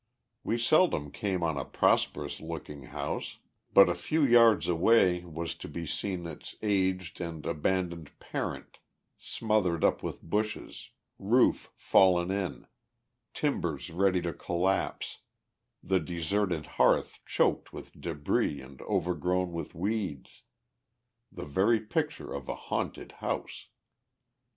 We seldom came on a prosperous looking house but a few yards away was to be seen its aged and abandoned parent, smothered up with bushes, roof fallen in, timbers ready to collapse, the deserted hearth choked with débris and overgrown with weeds the very picture of a haunted house.